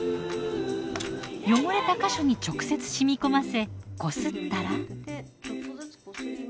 汚れた箇所に直接染み込ませこすったら。